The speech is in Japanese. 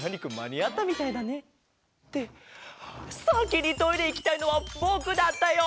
さきにトイレいきたいのはぼくだったよ！